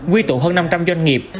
quy tụ hơn năm trăm linh doanh nghiệp